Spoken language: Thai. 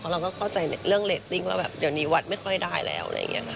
เราก็เข้าใจเรื่องเรทติ้งว่าเดี๋ยวนี้วัดไม่ค่อยได้แล้ว